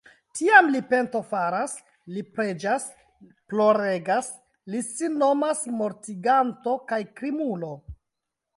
Tiam li pentofaras, li preĝas, ploregas, li sin nomas mortiganto kaj krimulo.